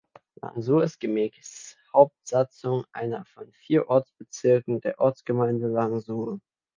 Langsur ist gemäß Hauptsatzung einer von vier Ortsbezirken der Ortsgemeinde Langsur.